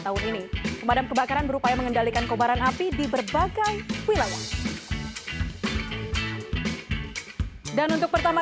tahun ini pemadam kebakaran berupaya mengendalikan kobaran api di berbagai wilayah dan untuk pertama